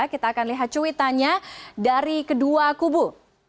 kita akan lihat cuitannya dari kedua kubu